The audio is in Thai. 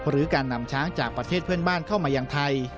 หรือการนำช้างจากประเทศเพื่อนบ้านเข้ามายังไทย